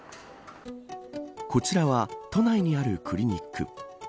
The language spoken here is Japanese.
こちらは都内にあるクリニック。